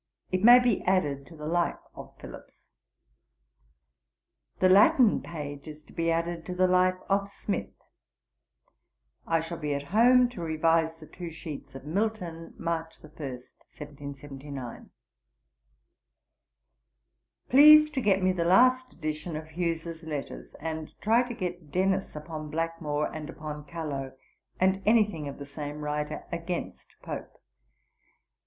It may be added to the Life of Philips. The Latin page is to be added to the Life of Smith. I shall be at home to revise the two sheets of Milton. March 1, 1779.' 'Please to get me the last edition of Hughes's Letters; and try to get Dennis upon Blackmore, and upon Calo, and any thing of the same writer against Pope.